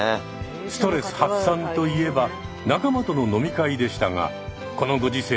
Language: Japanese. ストレス発散といえば仲間との飲み会でしたがこのご時世